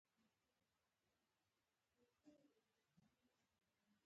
پیاله د زړو یادونو یادګار وي.